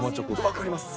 分かります。